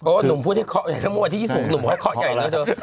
หนุ่มพูดให้เคาะใหญ่แล้วเมื่อวันที่๒๖หนุ่มบอกว่าเคาะใหญ่แล้วเธอ